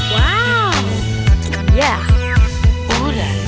ว้าว